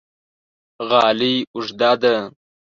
غالۍ اوږده ده